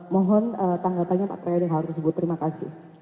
mohon tanggapannya pak kraya yang harus terima kasih